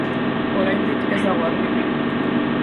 Oraindik ez dago argi.